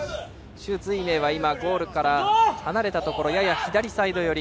朱瑞銘はゴールから離れたところやや左サイド寄り。